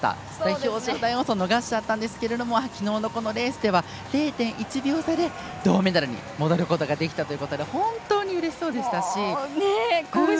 表彰台を逃しちゃったんですけど昨日のこのレースでは０．１秒差で銅メダルに戻ることができたということで興奮しましたね。